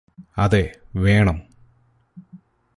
അതെ വേണം